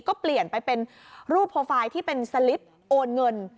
ก็เปลี่ยนไปเป็นรูปโปรไฟล์ที่เป็นสลิปโอนเงิน